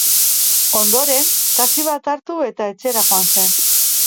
Ondoren, taxi bat hartu eta etxera joan zen.